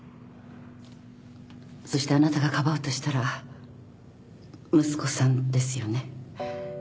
そしてあなたがかばうとしたら息子さんですよね？